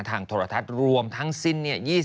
ทางโทรทัศน์รวมทั้งสิ้นเนี่ย